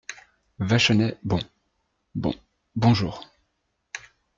Vachonnet Bon … bon … bonjour !